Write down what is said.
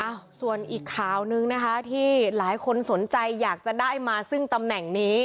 ส่วนอีกข่าวนึงนะคะที่หลายคนสนใจอยากจะได้มาซึ่งตำแหน่งนี้